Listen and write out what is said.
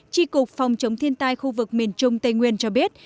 tri cục phòng chống thiên tai khu vực miền trung tây nguyên cho biết